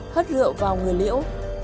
hất rượu vào người liễu